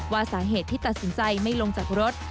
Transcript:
ว่าสาเหตุที่ตัดสินใจไม่ลงจากรถ